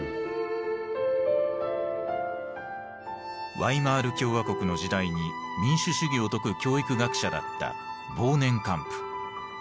ワイマール共和国の時代に民主主義を説く教育学者だったボーネンカンプ。